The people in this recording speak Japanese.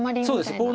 そうです